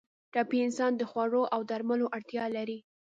ټپي انسان د خوړو او درملو اړتیا لري.